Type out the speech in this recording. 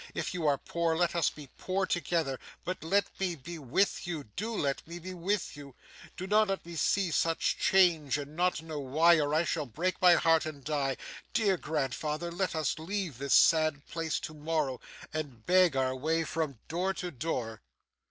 If you are poor, let us be poor together; but let me be with you, do let me be with you; do not let me see such change and not know why, or I shall break my heart and die. Dear grandfather, let us leave this sad place to morrow, and beg our way from door to door.